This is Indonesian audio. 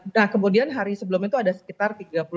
nah kemudian hari sebelum itu ada sekitar tiga puluh